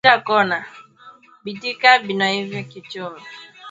Bitika binaiviya ku muchi